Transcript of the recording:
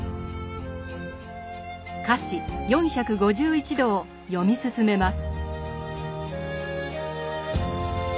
「華氏４５１度」を読み進めます。